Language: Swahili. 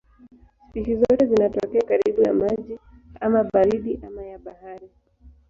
Spishi zote zinatokea karibu na maji ama baridi ama ya bahari.